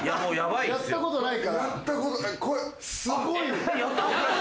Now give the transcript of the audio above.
やったことない？